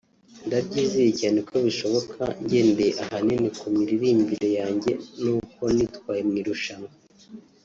ndabyizeye cyane ko bishoboka ngendeye ahanini ku miririmbire yanjye n’uko nitwaye mu irushanwa